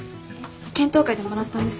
検討会でもらったんです。